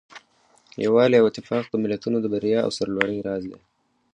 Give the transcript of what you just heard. یووالی او اتفاق د ملتونو د بریا او سرلوړۍ راز دی.